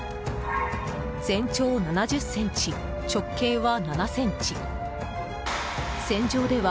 全長７０ｃｍ、直径は７ｃｍ。